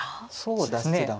そうですね。